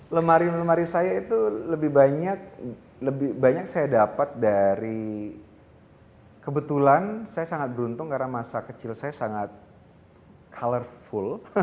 lemari lemari saya itu lebih banyak lebih banyak saya dapat dari kebetulan saya sangat beruntung karena masa kecil saya sangat colorful